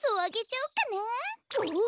おっ！